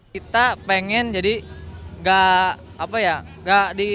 kita pengen jadi gak dikampanyekan